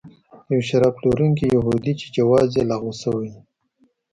یو شراب پلورونکی یهود چې جواز یې لغوه شوی دی.